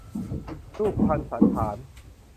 รูปพรรณสัณฐาน